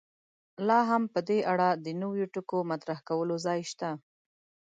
لا هم په دې اړه د نویو ټکو مطرح کولو ځای شته.